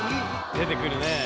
出てくるね。